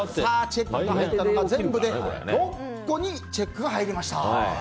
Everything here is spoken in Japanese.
チェックが入ったのが全部で６個にチェックが入りました。